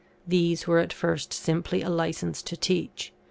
These were at first simply a licence to teach.